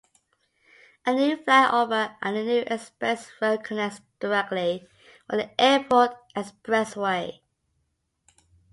A new flyover, and a new express road connects directly with the Airport Expressway.